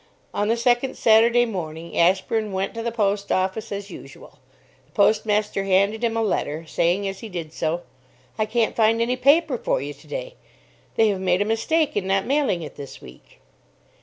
On the second Saturday morning, Ashburn went to the post office as usual. The postmaster handed him a letter, saying, as he did so "I can't find any paper for you, to day. They have made a mistake in not mailing it this week."